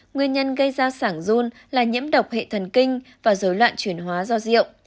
nguyên nhân gây ra sản run là nhiễm độc hệ thần kinh và dối loạn chuyển hóa do rượu